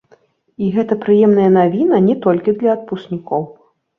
І гэта прыемная навіна не толькі для адпускнікоў.